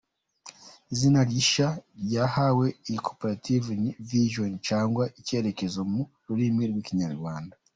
Izina rishya ryahawe iyi koperative ni “Vision” cyangwa icyerekezo mu rurimi rw’ikinyarwanda.